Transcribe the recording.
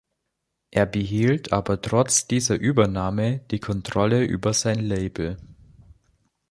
Er behielt aber trotz dieser Übernahme die Kontrolle über sein Label.